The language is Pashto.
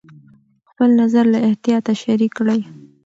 خپل نظر له احتیاطه شریک کړه.